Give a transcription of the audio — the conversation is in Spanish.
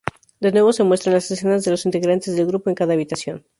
De nuevo se muestran las escenas de los integrantes del grupo en cada habitación.